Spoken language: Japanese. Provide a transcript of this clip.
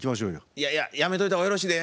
いやいややめといた方がよろしいで。